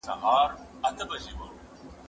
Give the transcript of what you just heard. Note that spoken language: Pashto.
زه به سبا کتابونه لولم وم؟!